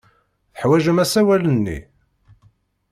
Teḥwajem asawal-nni?